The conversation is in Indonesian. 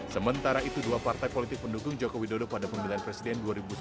sementara itu dua partai politik pendukung jokowi dodo pada pemilihan presiden dua ribu sembilan belas